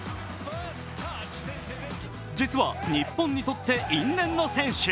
実は、日本にとって因縁の選手。